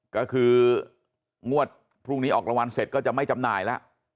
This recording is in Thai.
ก็คืองวดพรุ่งนี้ออกรางวัลเสร็จก็จะไม่จำหน่ายแล้ว